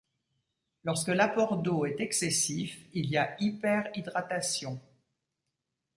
Lorsque l'apport d'eau est excessif, il y a hyperhydratation.